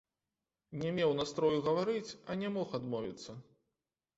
Не меў настрою гаварыць, а не мог адмовіцца.